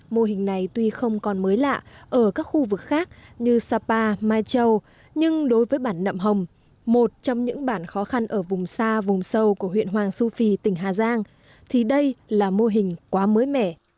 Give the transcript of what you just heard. mô hình này tuy không còn mới lạ ở các khu vực khác như sapa mai châu nhưng đối với bản nậm hồng một trong những bản khó khăn ở vùng xa vùng sâu của huyện hoàng su phi tỉnh hà giang thì đây là mô hình quá mới mẻ